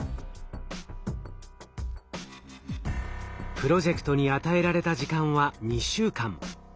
プロジェクトに与えられた時間は２週間。